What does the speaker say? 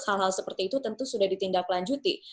hal hal seperti itu tentu sudah ditindaklanjuti